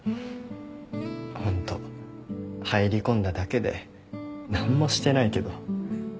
ホント入り込んだだけで何もしてないけど。